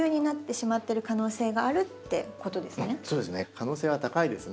可能性は高いですね。